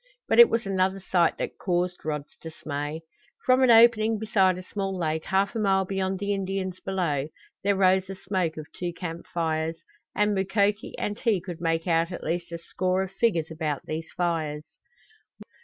But it was another sight that caused Rod's dismay. From an opening beside a small lake half a mile beyond the Indians below there rose the smoke of two camp fires, and Mukoki and he could make out at least a score of figures about these fires.